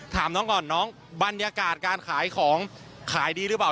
ถามน้องก่อนน้องบรรยากาศการขายของขายดีหรือเปล่า